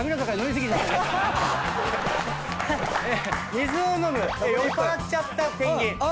水を飲む酔っぱらっちゃったペンギン。